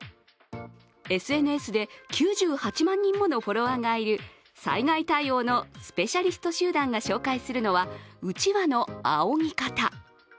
ＳＮＳで９８万人ものフォロワーがいる災害対応のスペシャリスト集団が紹介するのはうちわのあおぎ方。